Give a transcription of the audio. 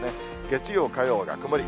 月曜、火曜が曇り。